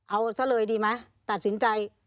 เอาซะเลยดีไหมตัดสินใจ